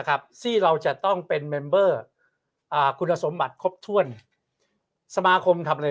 ที่เราจะต้องเป็นเมมเบอร์อ่าคุณสมบัติครบถ้วนสมาคมทำอะไร